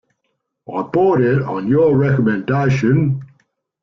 I bought it on your recommendation.